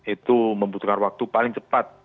itu membutuhkan waktu paling cepat